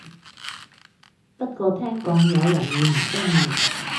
不過聽講有人會唔鍾意